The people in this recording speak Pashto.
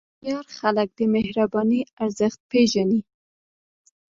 هوښیار خلک د مهربانۍ ارزښت پېژني.